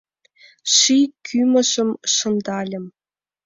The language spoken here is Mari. Ший кӱмыжым шындальым